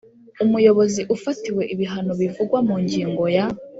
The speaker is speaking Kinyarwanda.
Umuyobozi ufatiwe ibihano bivugwa mu ngingo ya